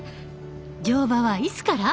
乗馬はいつから？